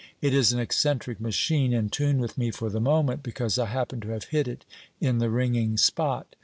It is an eccentric machine, in tune with me for the moment, because I happen to have hit it in the ringing spot.